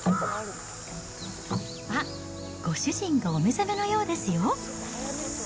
あっ、ご主人がお目覚めのようですよ。